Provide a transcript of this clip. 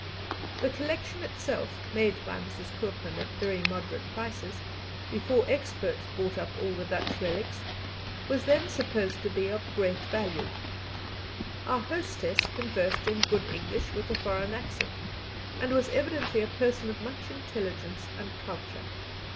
The collection itself, made by Mrs. Koopman at very moderate prices, before experts bought up all the Dutch relics, was then supposed to be of great value. Our hostess conversed in good English with a foreign accent, and was evidently a person of much intelligence and culture.